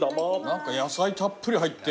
何か野菜たっぷり入って。